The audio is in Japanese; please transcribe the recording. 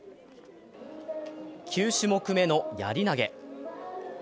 ９種目めのやり投げ。